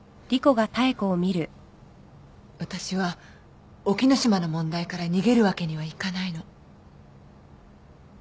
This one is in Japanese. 私は沖野島の問題から逃げるわけにはいかないの。